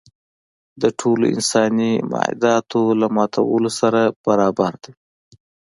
د ټولو انساني معاهداتو له ماتولو سره برابر دی.